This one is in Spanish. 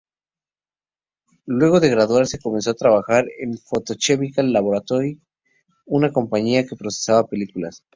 Luego de graduarse, comenzó a trabajar en Photo-Chemical Laboratory, una compañía que procesaba películas.